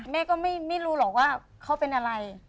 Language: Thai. แม่ก็ไม่รู้หรอกว่าเขาเป็นอะไร